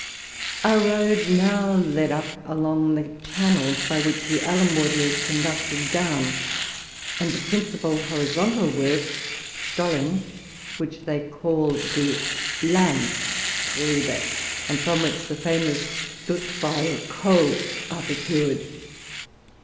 Our road now led up along the channels by which the alum water is conducted down, and the principal horizontal works (Stollen), which they call the '* Landgrube,'' and from which the famous Dutweil coals are procured.